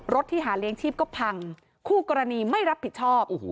ที่หาเลี้ยงชีพก็พังคู่กรณีไม่รับผิดชอบ